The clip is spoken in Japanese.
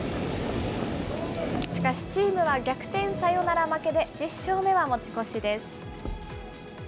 しかしチームは逆転サヨナラ負けで１０勝目は持ち越しです。